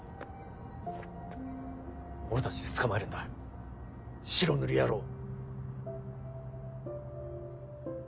俺たちで捕まえるんだ白塗り野郎を。